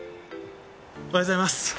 おはようございます。